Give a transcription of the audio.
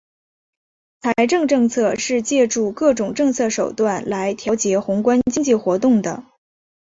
财政政策是借助各种政策手段来调节宏观经济活动的。